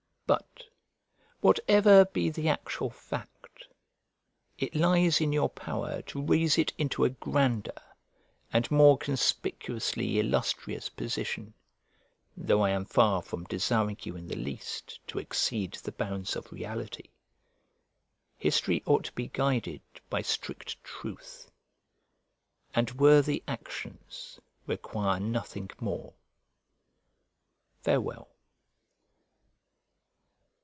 But, whatever be the actual fact, it lies in your power to raise it into a grander and more conspicuously illustrious position, though I am far from desiring you in the least to exceed the bounds of reality. History ought to be guided by strict truth, and worthy actions require nothing more. Farewell.